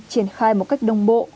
triển khai một cách đồng bộ